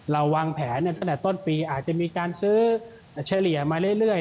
เราวางแผนต้นปีอาจจะมีการซื้อเฉลี่ยมาเรื่อย